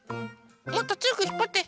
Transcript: もっとつよくひっぱって。